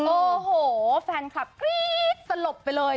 โอ้โหแฟนคลับกรี๊ดสลบไปเลย